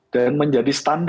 dan menjadi standar